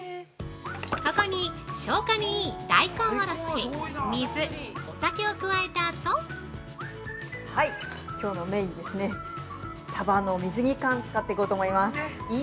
◆ここに、消化にいい大根おろし、水、お酒を加えたあと◆きょうのメインですね、サバの水煮缶を使っていこうと思います。